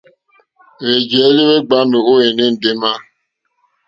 Hwèjèelì hwe gbàamù o ene ndema.